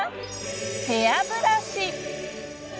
ヘアブラシ。